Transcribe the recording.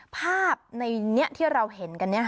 ภาพในนี้ที่เราเห็นกัน